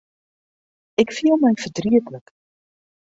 Ik fiel my fertrietlik.